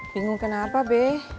bingung kenapa be